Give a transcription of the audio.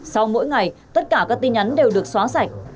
sau mỗi ngày tất cả các tin nhắn đều được xóa sạch